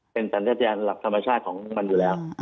เป็นสรรคัทแจนหลักทรัพยาชาติของมันอยู่แล้ว